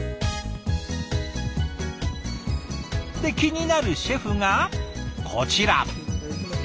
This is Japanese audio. で気になるシェフがこちら。